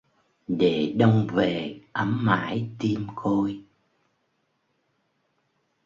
Để Đông về ấm mãi tim côi